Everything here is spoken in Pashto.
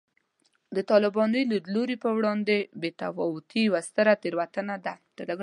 د طالباني لیدلوري پر وړاندې بې تفاوتي یوه ستره تېروتنه ده